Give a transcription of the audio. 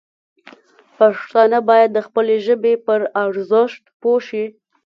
پښتانه باید د خپلې ژبې پر ارزښت پوه شي.